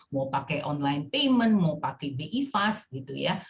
mau pakai online payment mau pakai bi fast gitu ya